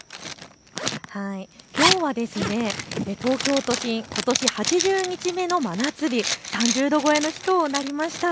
きょうは東京都心、ことし８０日目の真夏日、３０度超えの日となりました。